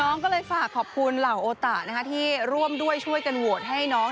น้องก็เลยฝากขอบคุณเหล่าโอตะนะคะที่ร่วมด้วยช่วยกันโหวตให้น้อง